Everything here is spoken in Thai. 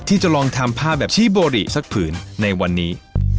ที่จะลองทำผ้าแบบชี้โบริสักผืนในวันนี้